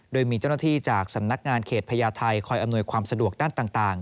โดยมีเจ้าหน้าที่จากสำนักงานเขตพญาไทยคอยอำนวยความสะดวกด้านต่าง